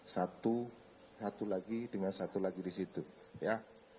satu lagi dengan satu lagi disitu ya